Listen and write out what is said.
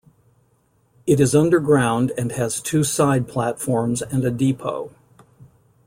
It is underground and has two side platforms, and a depot.